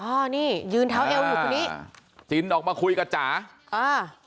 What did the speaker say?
อ๋อนี่ยืนเท้าเอวอยู่คนนี้อ่าจินออกมาคุยกับจ๋าอ่า